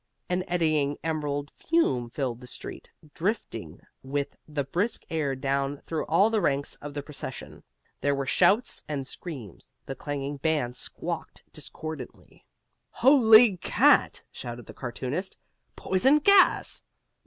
An eddying emerald fume filled the street, drifting with the brisk air down through all the ranks of the procession. There were shouts and screams; the clanging bands squawked discordantly. "Holy cat!" shouted the cartoonist "Poison gas!"